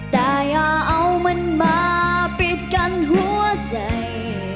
แต่อย่าเอามันมาปิดกันหัวใจ